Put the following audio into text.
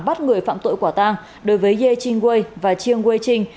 bắt người phạm tội quả tang đối với ye ching wei và chiang wei ching